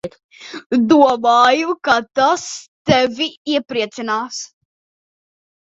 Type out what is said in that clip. Domāju, ka tas tevi iepriecinās.